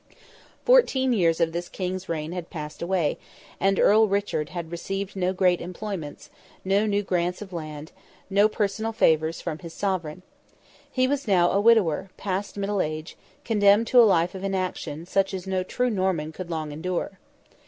Fourteen years of this King's reign had passed away, and Earl Richard had received no great employments, no new grants of land, no personal favours from his Sovereign. He was now a widower, past middle age, condemned to a life of inaction such as no true Norman could long endure.